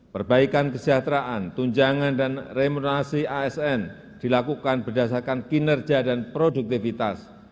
perbaikan kesejahteraan tunjangan dan remunerasi asn dilakukan berdasarkan kinerja dan produktivitas